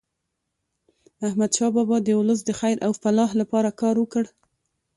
احمد شاه بابا د ولس د خیر او فلاح لپاره کار وکړ.